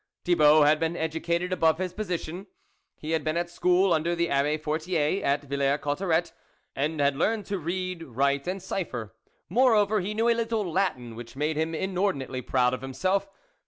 Thibault had been educated above his position ; he had been at school under the Abbe Fortier, at Villers Cotterets, and had learnt to read, write, and cypher ; more over he knew a little Latin, which made him inordinately proud of himself.